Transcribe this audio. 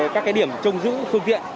các điểm trông giữ phương viện